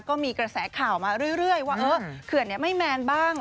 ก็มีกระแสข่าวมาเรื่อยว่าเขื่อนไม่แมนบ้าง